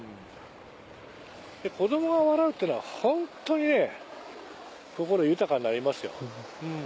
子供が笑うってのはホントにね心豊かになりますよ。